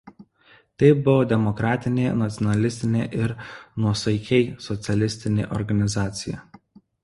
Tai buvo demokratinė nacionalistinė ir nuosaikiai socialistinė organizacija.